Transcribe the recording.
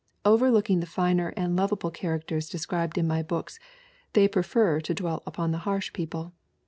Overlook ing the finer and lovable characters described in my books, they prefer to dwell upon the harsh people.